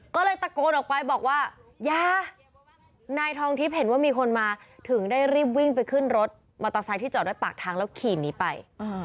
ก็เลยตะโกนออกไปบอกว่ายานายทองทิพย์เห็นว่ามีคนมาถึงได้รีบวิ่งไปขึ้นรถมอเตอร์ไซค์ที่จอดด้วยปากทางแล้วขี่หนีไป